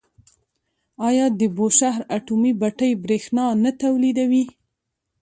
آیا د بوشهر اټومي بټۍ بریښنا نه تولیدوي؟